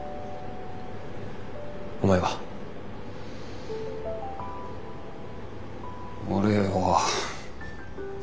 お前は？俺は。